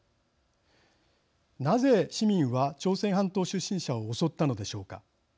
なぜ、市民は朝鮮半島出身者を襲ったのでしょうか。